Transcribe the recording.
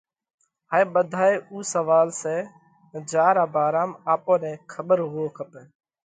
هائي ٻڌائي اُو سوئال سئہ جيا را ڀارام آپون نئہ کٻر هووَو کپئہ۔